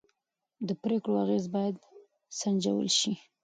د پرېکړو اغېز باید سنجول شي